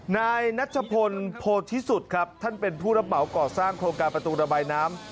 นายนัชพลโพธิสุดครับท่านเป็นผู้รับเหมาก่อสร้างโครงการประตูระบายน้ำ